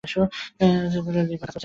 ডাক্তাররা বলেছেন, লিভার কাজ করছে না।